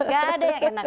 gak ada yang enak